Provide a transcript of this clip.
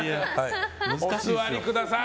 お座りください。